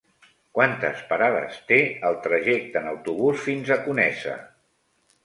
Quantes parades té el trajecte en autobús fins a Conesa?